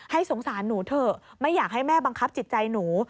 สงสารหนูเถอะไม่อยากให้แม่บังคับจิตใจหนู